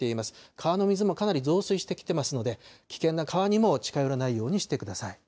川の水もかなり増水してきてますので、危険な川にも近寄らないようにしてください。